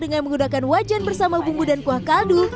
misago yang menggunakan wajan bersama bumbu dan kuah kaldu